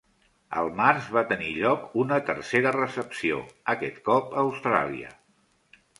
Al març va tenir lloc una tercera recepció, aquest cop a Austràlia.